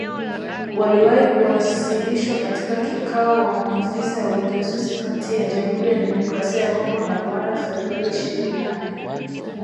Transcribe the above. Waliwahi kuwasilishwa wakati wa kikao cha maafisa wa ujasusi kati ya jamuhuri ya kidemokrasia ya kongo na Rwanda, Februari ishirini na nne